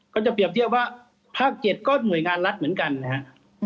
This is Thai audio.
ก็จะเปรียบเทียบว่าภาค๗ก็หน่วยงานรัฐเหมือนกันนะครับ